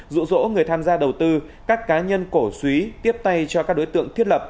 rụ rỗ người tham gia đầu tư các cá nhân cổ suý tiếp tay cho các đối tượng thiết lập